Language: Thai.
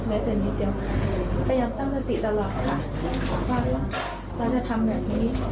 ในเสร็จมีเตรียมพยายามตั้งสติตลอดค่ะเราจะทำแบบนี้